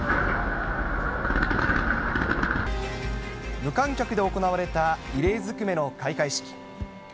無観客で行われた異例ずくめの開会式。